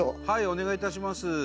はいお願いいたします。